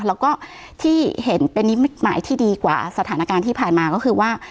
แล้วก็ที่เห็นเป็นนิมิตหมายที่ดีกว่าสถานการณ์ที่ผ่านมาก็คือว่า